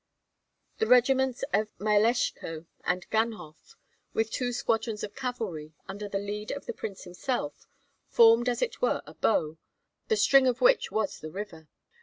The regiments of Myeleshko and Ganhoff with two squadrons of cavalry, under the lead of the prince himself, formed as it were a bow, the string of which was the river.